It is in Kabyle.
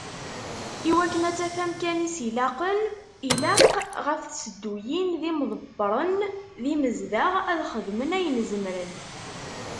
I wakken ad taf amkan i as-ilaqen, ilaq ɣef tsedduyin d yimḍebbren d yimezdaɣ, ad xedmen ayen zemmren.